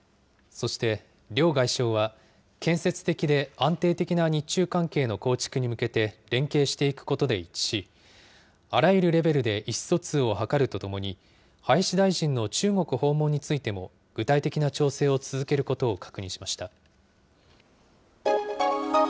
そして両外相は、建設的で安定的な日中関係の構築に向けて連携していくことで一致し、あらゆるレベルで意思疎通を図るとともに、林大臣の中国訪問についても具体的な調整を続けることを確認しました。